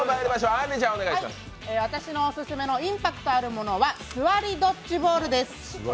私のオススメのインパクトあるものは「座りドッジボール」です。